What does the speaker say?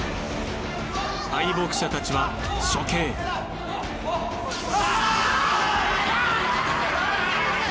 敗北者たちは処刑ああっ！